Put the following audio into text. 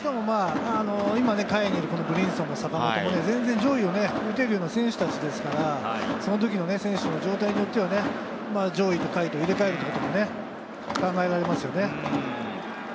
今、下位にいるブリンソンや、坂本も上位を打てるような選手ですから、選手の状態によっては上位と下位を入れ替えることも考えられますよね。